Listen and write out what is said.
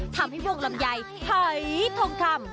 ทำให้วงลำไยหอยทองคำ